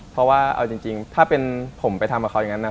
เพราะว่าเอาจริงถ้าเป็นผมไปทำกับเขาอย่างนั้น